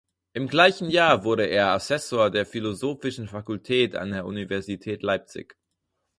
Im gleichen Jahr wurde er Assessor der Philosophischen Fakultät an der Universität Leipzig.